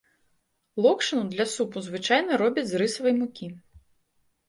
Локшыну для супу звычайна робяць з рысавай мукі.